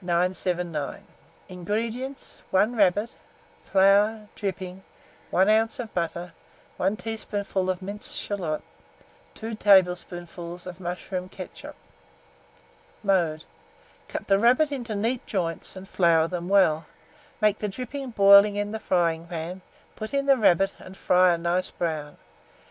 979. INGREDIENTS. 1 rabbit, flour, dripping, 1 oz. of butter, 1 teaspoonful of minced shalot, 2 tablespoonfuls of mushroom ketchup. Mode. Cut the rabbit into neat joints, and flour them well; make the dripping boiling in a fryingpan, put in the rabbit, and fry it a nice brown.